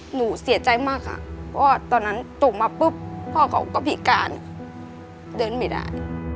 หนูเสียใจมากค่ะเพราะว่าตอนนั้นตกมาปุ๊บพ่อเขาก็พิการเดินไม่ได้